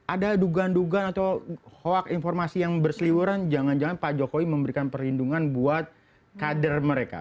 ada dugaan dugaan atau hoak informasi yang berseliwuran jangan jangan pak jokowi memberikan perlindungan buat kader mereka